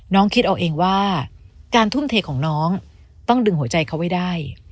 คิดเอาเองว่าการทุ่มเทของน้องต้องดึงหัวใจเขาไว้ได้